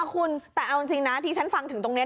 คุณแต่เอาจริงนะที่ฉันฟังถึงตรงนี้